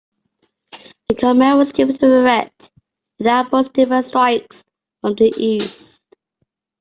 The command was given to erect an outpost to defend strikes from the east.